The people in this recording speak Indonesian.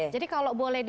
jadi kalau boleh